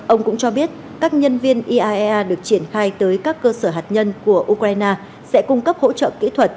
ông cũng cho biết các nhân viên iaea được triển khai tới các cơ sở hạt nhân của ukraine sẽ cung cấp hỗ trợ kỹ thuật